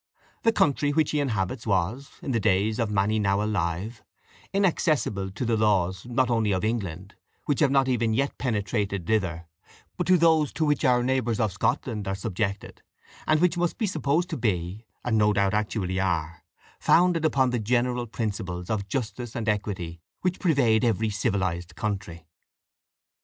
The country which he inhabits was, in the days of many now alive, inaccessible to the laws not only of England, which have not even yet penetrated thither, but to those to which our neighbours of Scotland are subjected, and which must be supposed to be, and no doubt actually are, founded upon the general principles of justice and equity which pervade every civilised country.